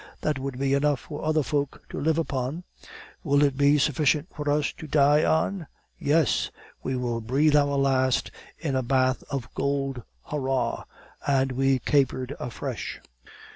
'That would be enough for other folk to live upon; will it be sufficient for us to die on? Yes! we will breathe our last in a bath of gold hurrah!' and we capered afresh.